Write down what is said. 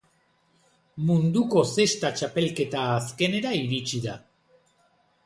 Munduko zesta txapelketa azkenera iritsi da.